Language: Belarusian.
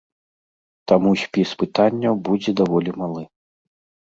Таму спіс пытанняў будзе даволі малы.